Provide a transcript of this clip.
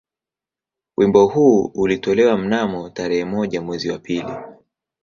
Wimbo huu ulitolewa mnamo tarehe moja mwezi wa pili